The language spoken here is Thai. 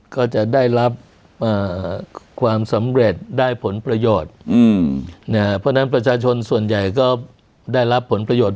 ก็จะได้รับความสำเร็จได้ผลประโยชน์เพราะฉะนั้นประชาชนส่วนใหญ่ก็ได้รับผลประโยชน์